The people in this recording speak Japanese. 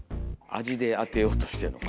味で当てようとしてんのか。